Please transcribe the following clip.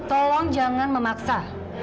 tolong jangan memaksa